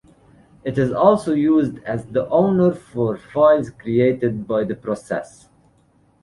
It is also used as the owner for files created by that process.